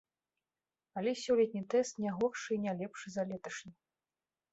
Але сёлетні тэст не горшы і не лепшы за леташні!